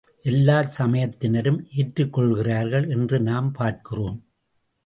எல்லாச் சமயத்தினரும் ஏற்றுக் கொள்கிறார்கள் என்று நாம் பார்க்கிறோம்.